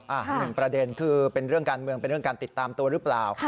หนึ่งประเด็นคือเป็นเรื่องการเมืองเป็นเรื่องการติดตามตัวหรือเปล่า